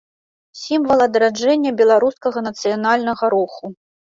Сімвал адраджэння беларускага нацыянальнага руху.